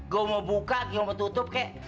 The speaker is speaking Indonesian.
gue mau buka gue mau tutup kek